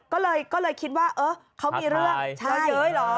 ก็เลยคิดว่าเออเขามีเรื่องเยอะเย้ยเหรอ